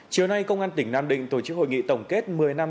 chiều nay công an tỉnh nam định tổ chức hội nghị tổng kết một mươi năm